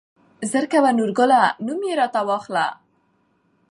زر کوه نورګله نوم يې راته واخله.